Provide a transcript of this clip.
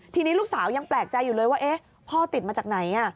ทีนี้ลูกสาวยังแปลกใจอยู่เลยว่าพ่อติดมาจากไหน